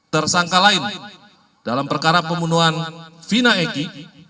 tersangka lain dalam perkara pembunuhan vina eki